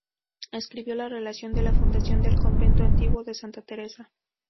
Escribió la "Relación de la fundación del Convento Antiguo de Santa Teresa.